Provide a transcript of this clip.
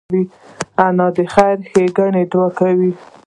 انا د خیر ښادۍ دعا کوي